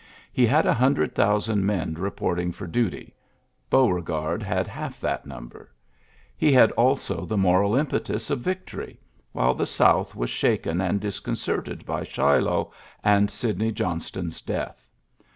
He '. a hundred thousand men reporting duty : Beauregard had half that nmal He had also the moral impetus of ' tory, while the South was shaken : disconcerted by Shiloh and Sidney Jo ston's death.